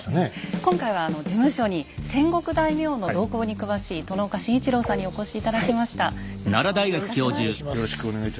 今回は事務所に戦国大名の動向に詳しい外岡慎一郎さんにお越し頂きました。